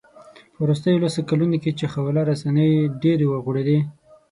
په وروستیو لسو کلونو کې چې خواله رسنۍ ډېرې وغوړېدې